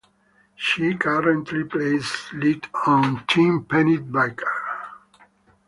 She currently plays lead on Team Penny Barker.